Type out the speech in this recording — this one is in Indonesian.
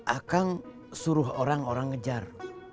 akang suruh orang orang ngejar